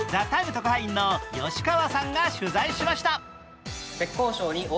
特派員の吉川さんが取材しました。